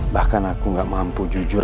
bahkan aku gak mampu jujur